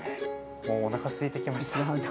もうおなかすいてきました。